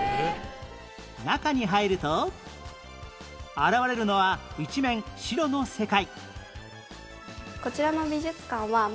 中に入ると現れるのは一面白の世界